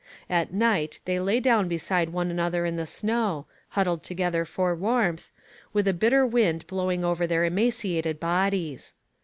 At night they lay down beside one another in the snow, huddled together for warmth, with a bitter wind blowing over their emaciated bodies.